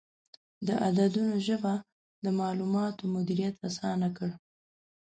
د عددونو ژبه د معلوماتو مدیریت اسانه کړ.